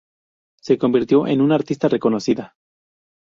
Se convirtió en una artista reconocida.